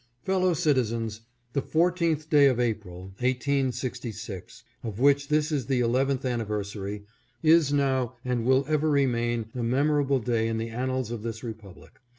Fellow citizens, the fourteenth day of April, 1866, of which this is the eleventh anniversary, is now and will ever remain a memorable day in the annals of this repub lic.